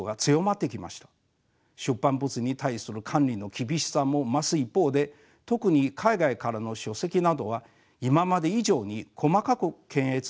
出版物に対する管理の厳しさも増す一方で特に海外からの書籍などは今まで以上に細かく検閲されています。